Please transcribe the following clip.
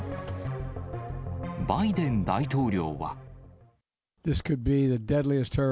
バイデン大統領は。